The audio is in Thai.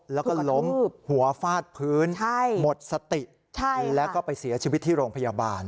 แล้วก็ล้มหัวฟาดพื้นหมดสติแล้วก็ไปเสียชีวิตที่โรงพยาบาล